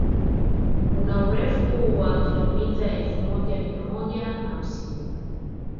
Kuna urefu wa kilomita elfu moja mia moja na hamsini